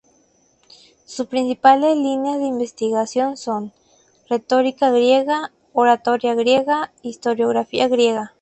Sus principales líneas de investigación son: Retórica griega, Oratoria griega, Historiografía griega.